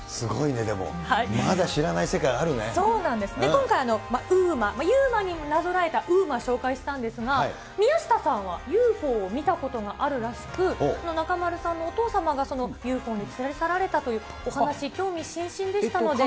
今回、ＵＭＡ、ＵＭＡになぞらえたＵＭＡ、紹介したんですが、宮下さんは、ＵＦＯを見たことがあるらしく、中丸さんもお父様がＵＦＯに連れ去られたというお話、興味津々でしたので。